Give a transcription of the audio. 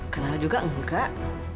kenal juga enggak